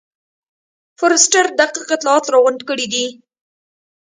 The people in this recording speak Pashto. فورسټر دقیق اطلاعات راغونډ کړي دي.